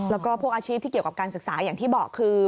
แล้วก็พวกอาชีพที่เกี่ยวกับการศึกษาอย่างที่บอกคือ